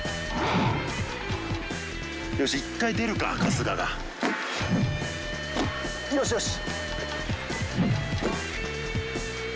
よし１回出るか春日がよしよし！